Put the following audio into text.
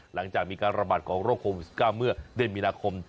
หลังจากมีการระบาดของโรงโครมวิสุก้าเมือเด็นมีนาคม